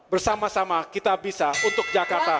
bersama sama kita bisa untuk jakarta